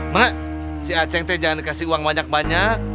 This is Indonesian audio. mak si acing teh jangan dikasih uang banyak banyak